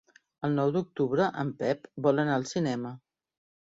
El nou d'octubre en Pep vol anar al cinema.